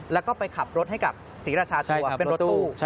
แล้วก็ไปขับรถให้กับศรีราชาทัวร์เป็นรถตู้